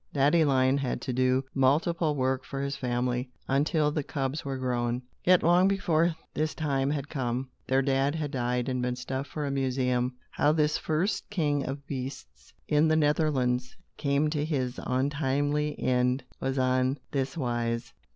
Daddy Lion had to do multiple work for his family, until the cubs were grown. Yet long before this time had come, their Dad had died and been stuffed for a museum. How this first king of beasts in the Netherlands came to his untimely end was on this wise.